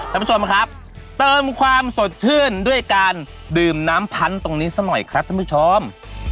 ท่านผู้ชมครับเติมความสดชื่นด้วยการดื่มน้ำพันตรงนี้สักหน่อยครับท่านผู้ชม